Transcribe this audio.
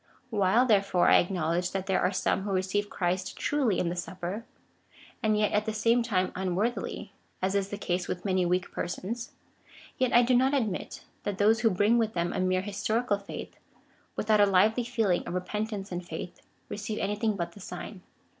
While, therefore, I acknowledge that there are some who receive Christ truly in the Supper, and yet at the same time unwor thily, as is the case with many weak persons, yet I do not admit, that those who bring with them a mere historical faith,^ without a lively feeling of repentance and faith, re ceive anything but the sign.